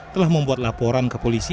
telah membuat laporan ke polisi